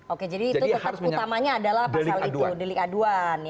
oke jadi itu tetap utamanya adalah pasal itu delik aduan